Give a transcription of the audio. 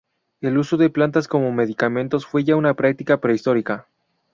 El uso de plantas como medicamentos fue ya una práctica prehistórica.